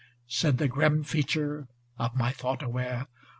' Said the grim Feature (of my thought aware).